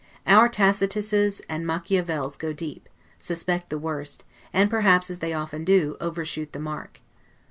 Our Tacituses and Machiavels go deep, suspect the worst, and, perhaps, as they often do, overshoot the mark.